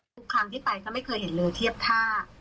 ทุกครั้งที่ไปก็ไม่เคยเห็นเรือเทียบท่า